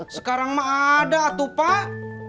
sekarang mah ada tuh pak